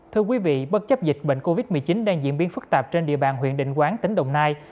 thưa quý vị bất chấp dịch bệnh covid một mươi chín đang diễn biến phức tạp trên địa bàn huyện định quán tỉnh đồng nai